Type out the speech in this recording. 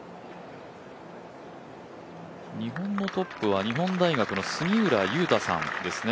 日本のトップは日本大学の杉浦悠太さんですね。